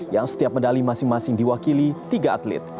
yang setiap medali masing masing diwakili tiga atlet